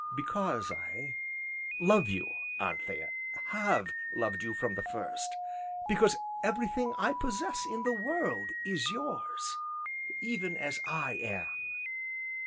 "Because I love you, Anthea, have loved you from the first. Because everything I possess in this world is yours even as I am."